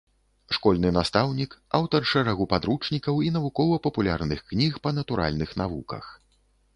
Школьны настаўнік, аўтар шэрагу падручнікаў і навукова-папулярных кніг па натуральных навуках.